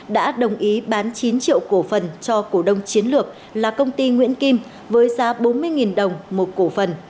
đã đồng ý bán chín triệu cổ phần cho cổ đông chiến lược là công ty nguyễn kim với giá bốn mươi đồng một cổ phần